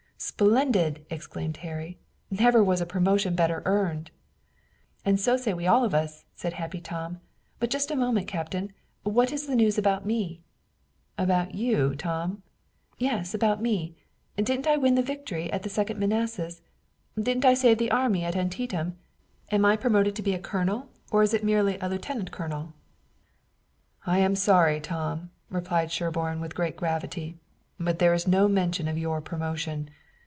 '" "Splendid!" exclaimed Harry. "Never was a promotion better earned!" "And so say we all of us," said Happy Tom. "But just a moment, Captain. What is the news about me?" "About you, Tom?" "Yes, about me? Didn't I win the victory at the Second Manassas? Didn't I save the army at Antietam? Am I promoted to be a colonel or is it merely a lieutenant colonel?" "I'm sorry, Tom," replied Sherburne with great gravity, "but there is no mention of your promotion.